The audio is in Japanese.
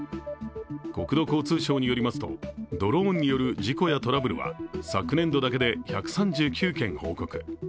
国土交通省によりますとドローンによる事故やトラブルは昨年度だけで１３９件報告。